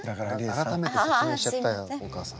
改めて説明しちゃったよお母さん。